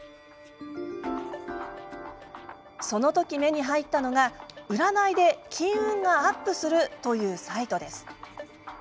その時、目に入ったのが占いで金運がアップするというサイトです。